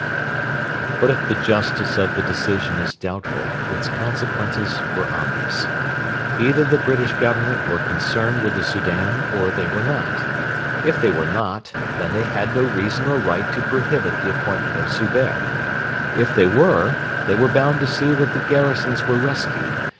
] But if the justice of the decision is doubtful, its consequences were obvious. Either the British Government were concerned with the Soudan, or they were not. If they were not, then they had no reason or right to prohibit the appointment of Zubehr. If they were, they were bound to see that the garrisons were rescued.